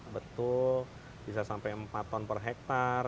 betul bisa sampai empat ton per hektare